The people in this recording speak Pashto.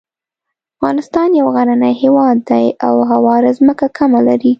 افغانستان یو غرنی هیواد دی او هواره ځمکه کمه لري.